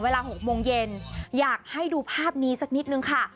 เวลา๖โมงเย็นอยากให้ดูภาพนี้สักนิดนึงค่ะ